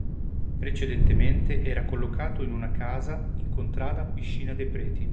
Precedentemente era collocato in una casa in contrada Piscina dei Preti.